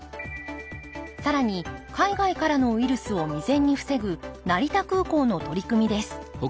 更に海外からのウイルスを未然に防ぐ成田空港の取り組みです